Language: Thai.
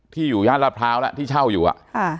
อยู่ย่านรัฐพร้าวแล้วที่เช่าอยู่อ่ะค่ะ